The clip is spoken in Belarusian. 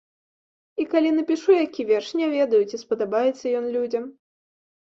І калі напішу які верш, не ведаю, ці спадабаецца ён людзям.